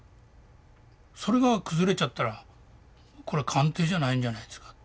それが崩れちゃったらこれは鑑定じゃないんじゃないですかと。